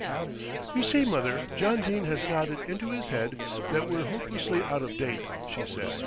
"You see, mother, John Dene has got it into his head that we're hopelessly out of date," she said.